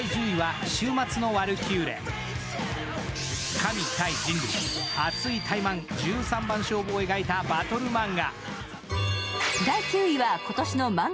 神対人類、熱いタイマン１３番勝負を描いたバトルマンガ。